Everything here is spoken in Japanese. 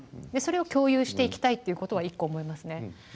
でそれを共有していきたいっていうことは一個思いますね。